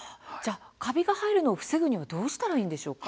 カビを防ぐにはどうしたらいいんでしょうか。